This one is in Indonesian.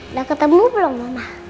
udah ketemu belum mama